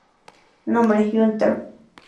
Nombre: "Hunter".